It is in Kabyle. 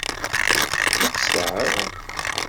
Ad tt-geɣ.